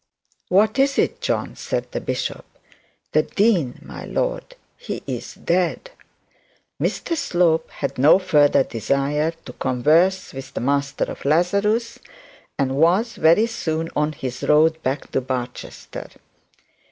'What is it, John?' said the bishop. 'The dean, my lord; he is dead.' Mr Slope had no further desire to converse with the master of Lazarus, and was very soon on his road back to Barchester.